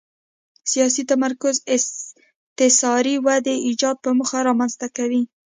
سیاسي تمرکز استثاري ودې ایجاد په موخه رامنځته کوي.